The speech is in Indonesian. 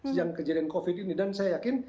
yang kejadian covid ini dan saya yakin